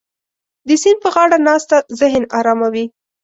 د سیند په غاړه ناسته ذهن اراموي.